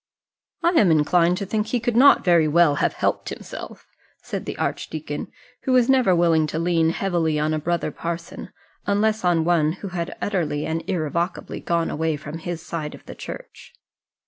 "I am inclined to think he could not very well have helped himself," said the archdeacon, who was never willing to lean heavily on a brother parson, unless on one who had utterly and irrevocably gone away from his side of the Church.